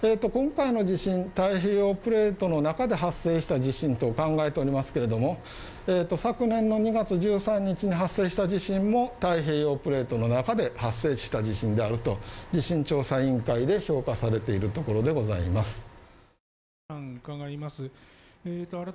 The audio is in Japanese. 地震太平洋プレートの中で発生した地震と考えておりますけれども昨年の２月１３日に発生した地震も太平洋プレートの中で発生した地震であると地震調査委員会で評価されているところでございます。